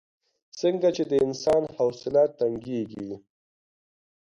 څنګه چې د انسان حوصله تنګېږي.